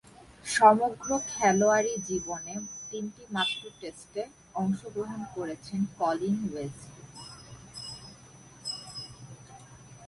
সমগ্র খেলোয়াড়ী জীবনে তিনটিমাত্র টেস্টে অংশগ্রহণ করেছেন কলিন ওয়েসলি।